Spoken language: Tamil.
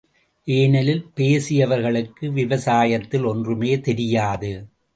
ஏனெனில் பேசியவர்களுக்கு விவசாயத்தில் ஒன்றுமே தெரியாது.